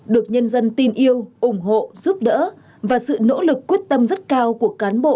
được nhân dân tin yêu ủng hộ giúp đỡ và sự nỗ lực quyết tâm rất cao của cán bộ